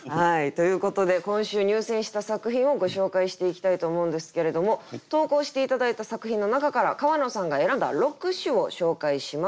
ということで今週入選した作品をご紹介していきたいと思うんですけれども投稿して頂いた作品の中から川野さんが選んだ六首を紹介します。